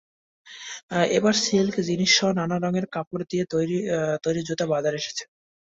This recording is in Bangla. এবার সিল্ক, জিনসসহ নানা রঙের কাপড় দিয়ে তৈরি জুতা বাজারে এসেছে।